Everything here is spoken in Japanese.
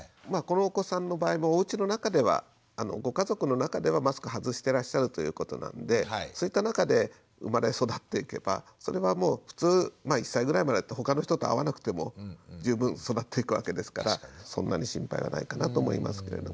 このお子さんの場合もおうちの中ではご家族の中ではマスク外してらっしゃるということなのでそういった中で生まれ育っていけばそれはもう普通１歳ぐらいまでだったらほかの人と会わなくても十分育っていくわけですからそんなに心配はないかなと思いますけれどもね。